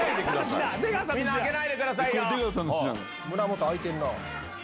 胸元開いてんな。